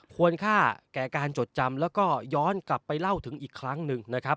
ควรค่าแก่การจดจำแล้วก็ย้อนกลับไปเล่าถึงอีกครั้งหนึ่งนะครับ